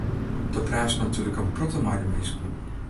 Do praatst natuerlik ek in protte mei de minsken.